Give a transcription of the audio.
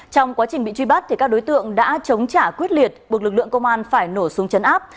trong quá trình bị truy bắt các đối tượng đã chống trả quyết liệt buộc lực lượng công an phải nổ súng chấn áp